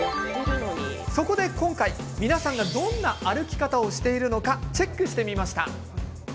そこで今回、皆さんがどんな歩き方をしているのかチェックしてみました。